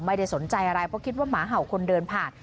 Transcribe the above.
ไม่ได้สนใจอะไรเพราะคิดว่าหมาเห่าคนเดินผ่าน